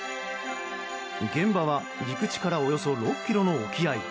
現場は、陸地からおよそ６ｋｍの沖合。